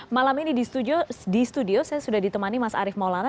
malam ini di studio saya sudah ditemani mas arief maulana